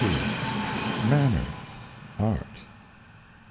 MANNER— ART.